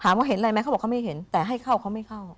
ว่าเห็นอะไรไหมเขาบอกเขาไม่เห็นแต่ให้เข้าเขาไม่เข้า